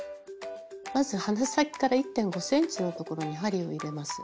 まず鼻先から１．５ｃｍのところに針を入れます。